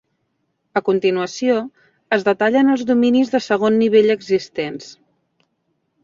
A continuació, es detallen els dominis de segon nivell existents.